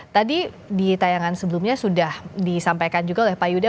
tadi di tayangan sebelumnya sudah disampaikan juga oleh pak yuda